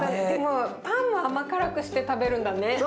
でもパンも甘辛くして食べるんだね。